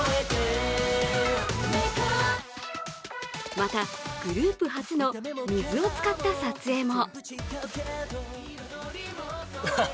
また、グループ初の水を使った撮影も。